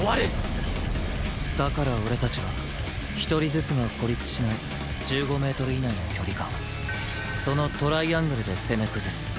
だから俺たちは１人ずつが孤立しない１５メートル以内の距離感そのトライアングルで攻め崩す